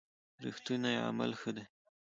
رښتوني عمل ښه دی.